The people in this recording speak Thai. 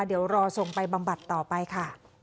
เดี๋ยวรอส่งไปบำบัดต่อไปค่ะ